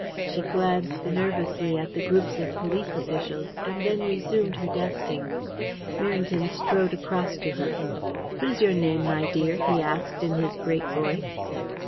She glanced nervously at the groups of police officials, and then resumed her dusting. Merrington strode across to her. "What is your name, my dear?" he asked, in his great voice.